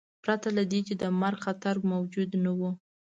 پرته له دې چې د مرګ خطر موجود نه و.